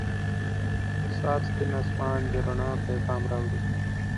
• د سهار سپین آسمان د رڼا پیغام راوړي.